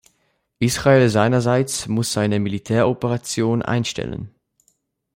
Israel seinerseits muss seine Militäroperation einstellen.